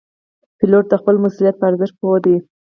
پیلوټ د خپل مسؤلیت په ارزښت پوه دی.